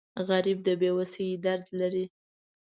غریب د بې وسۍ درد لري